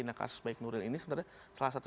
nah kasus baik nuril ini sebenarnya salah satu